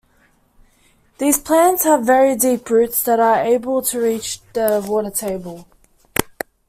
These plants have very deep roots that are able to reach the water table.